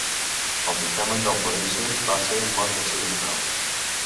El dictamen del forense va ser mort accidental.